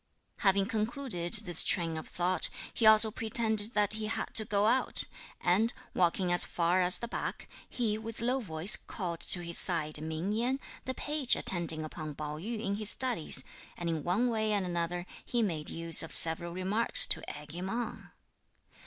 Having concluded this train of thought, he also pretended that he had to go out, and, walking as far as the back, he, with low voice, called to his side Ming Yen, the page attending upon Pao yü in his studies, and in one way and another, he made use of several remarks to egg him on.